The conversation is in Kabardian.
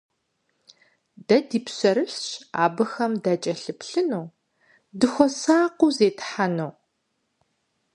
Дэ ди пщэрылъщ абыхэм дакӀэлъыплъыну, дыхуэсакъыу зетхьэну.